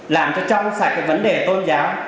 làm cho trong sạch cái vấn đề tôn giáo